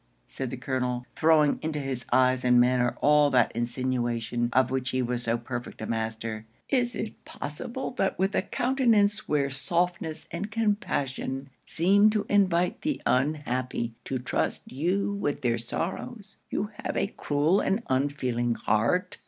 said the colonel, throwing into his eyes and manner all that insinuation of which he was so perfect a master, 'is it possible, that with a countenance where softness and compassion seem to invite the unhappy to trust you with their sorrows, you have a cruel and unfeeling heart?